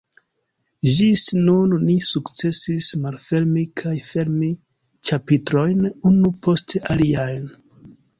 Ĝis nun ni sukcesis malfermi kaj fermi ĉapitrojn unu post alian.